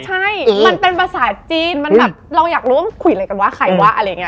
ใช่มันเป็นภาษาจีนมันแบบเราอยากรู้ว่ามันคุยอะไรกันว่าใครวะอะไรอย่างนี้